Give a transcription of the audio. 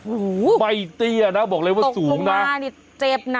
โอ้โหไม่เตี้ยนะบอกเลยว่าสูงนะหน้านี่เจ็บนะ